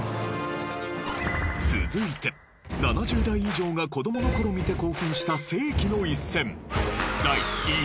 続いて７０代以上が子どもの頃見て興奮した世紀の一戦。